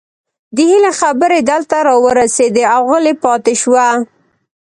د هيلې خبرې دلته راورسيدې او غلې پاتې شوه